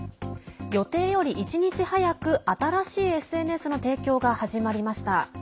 予定より１日早く新しいＳＮＳの提供が始まりました。